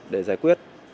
để giải quyết